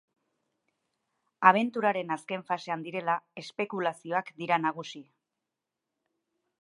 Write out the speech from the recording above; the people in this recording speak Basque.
Abenturaren azken fasean direla, espekulazioak dira nagusi.